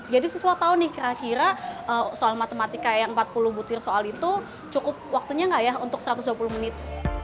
jadi siswa tahu nih kira kira soal matematika yang empat puluh butir soal itu cukup waktunya nggak ya untuk satu ratus dua puluh menit